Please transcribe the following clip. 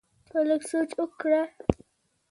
ته لږ سوچ وکړه!